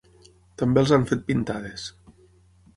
També els han fet pintades.